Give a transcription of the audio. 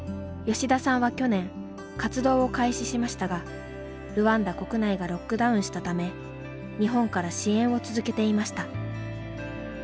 吉田さんは去年活動を開始しましたがルワンダ国内がロックダウンしたため日本から支援を続けていました。